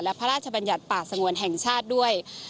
และภรราชบรรยาทป่าสงวนแห่งชาติด้วย